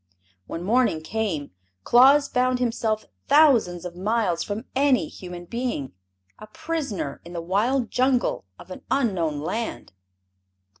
When morning came Claus found himself thousands of miles from any human being, a prisoner in the wild jungle of an unknown land.